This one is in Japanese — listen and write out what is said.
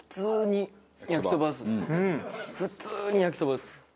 普通に焼きそばです。